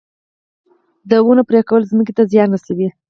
د ونو پرې کول ځمکې ته زیان رسوي